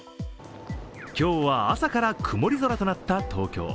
今日は朝から曇り空となった東京。